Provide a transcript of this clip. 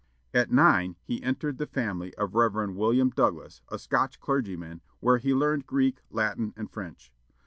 At nine he entered the family of Rev. William Douglas, a Scotch clergyman, where he learned Greek, Latin, and French.